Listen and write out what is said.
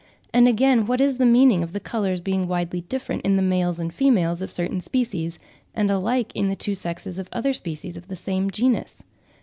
And, again, what is the meaning of the colours being widely different in the males and females of certain species, and alike in the two sexes of other species of the same genus?